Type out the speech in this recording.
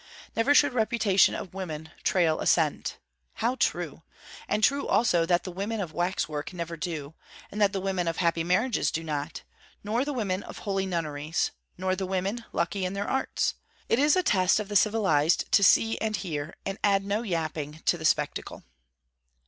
Never should reputation of woman trail a scent! How true! and true also that the women of waxwork never do; and that the women of happy marriages do not; nor the women of holy nunneries; nor the women lucky in their arts. It is a test of the civilized to see and hear, and add no yapping to the spectacle.